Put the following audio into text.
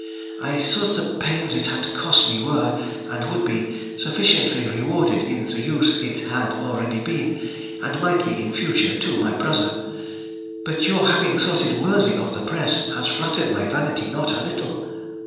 I thought the pains it had cost me were, and would be, sufficiently rewarded in the use it had already been, and might be in future, to my brother. But your having thought it worthy of the press has flattered my vanity not a little.